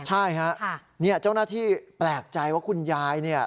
ใช่ฮะเนี่ยเจ้าหน้าที่แปลกใจว่าคุณยายเนี่ย